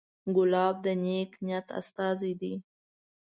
ګلاب د نیک نیت استازی دی.